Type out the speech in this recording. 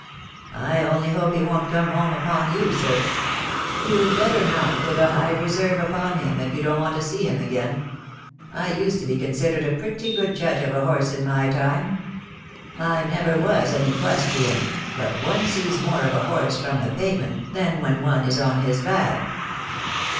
"I only hope he won't come home upon you, sir. You'd better not put a high reserve upon him if you don't want to see him again. I used to be considered a pretty good judge of a horse in my time. I never was an equestrian, but one sees more of a horse from the pavement than when one is on his back."